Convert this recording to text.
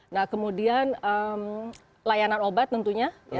nah kemudian layanan obat tentunya